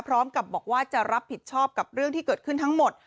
พร้อมกับบอกว่าจะรับผิดชอบกับเรื่องที่เกิดขึ้นทั้งหมด